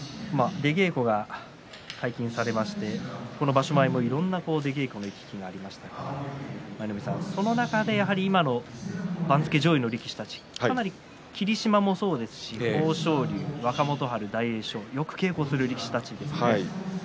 出稽古が解禁されましてこの場所前もいろんな出稽古の行き来がありましたが舞の海さんその中で、今の番付上位の力士たち霧島もそうですし豊昇龍、若元春、大栄翔よく稽古をする力士ですね。